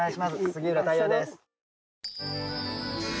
杉浦太陽です。